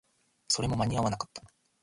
それも間に合わなかった